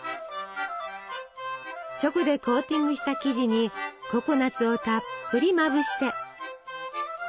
チョコでコーティングした生地にココナツをたっぷりまぶして。